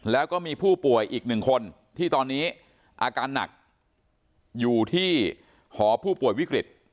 แล้วก็มีผู้ป่วยอีกหนึ่งคนที่ตอนนี้อาการหนักอยู่ที่หอผู้ป่วยวิกฤต